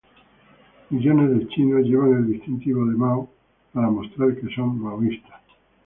Millones de chinos llevan el distintivo de Mao para mostrar que son maoístas.